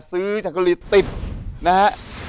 ซื้อจัดการีติดนะฮะ